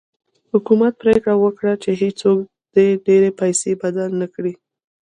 حکومت پرېکړه وکړه چې هېڅوک ډېرې پیسې بدل نه کړي.